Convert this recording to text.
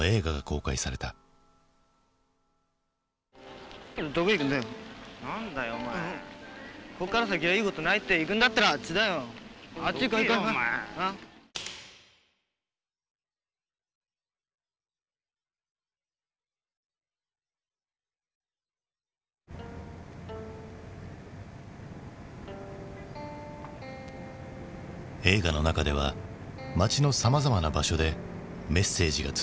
映画の中では街のさまざまな場所でメッセージがつづられていく。